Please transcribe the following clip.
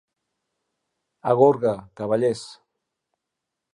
A Gorga, cavallers.